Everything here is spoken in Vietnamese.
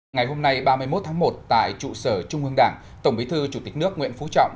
ngày hôm nay ba mươi một tháng một tại trụ sở trung ương đảng tổng bí thư chủ tịch nước nguyễn phú trọng